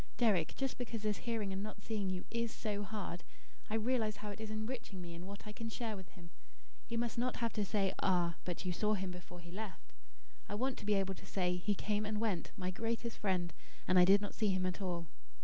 Deryck, just because this hearing and not seeing you IS so hard, I realise how it is enriching me in what I can share with him. He must not have to say: 'Ah, but you saw him before he left.' I want to be able to say: 'He came and went, my greatest friend, and I did not see him at all.'"